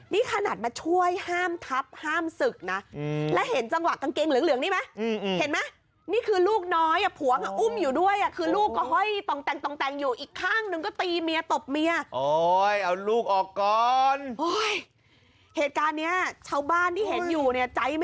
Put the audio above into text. นี่ขนาดมาช่วยห้ามทัพห้ามศึกนะแล้วเห็นจังหวะกางเกงเหลืองนี่ไหมเห็นไหม